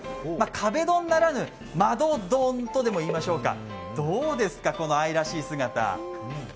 壁ドンならぬ窓ドンとでもいいましょうか、どうですか、この愛らしい姿。